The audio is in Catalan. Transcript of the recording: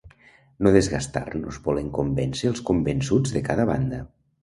No desgastar-nos volent convèncer els convençuts de cada banda.